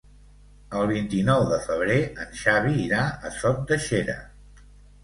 El vint-i-nou de febrer en Xavi irà a Sot de Xera.